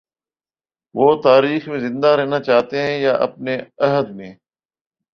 وہ تاریخ میں زندہ رہنا چاہتے ہیں یا اپنے عہد میں؟